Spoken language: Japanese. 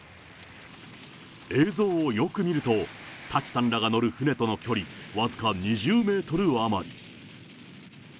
映像をよく見ると、舘さんらが乗る船との距離僅か２０メートル余り。